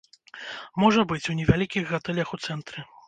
Можа быць, у невялікіх гатэлях у цэнтры.